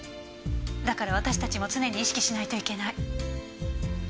だから私たちも常に意識しないといけない。